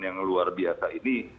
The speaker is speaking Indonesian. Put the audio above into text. yang luar biasa ini